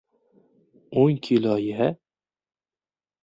O‘n kilo-ya?!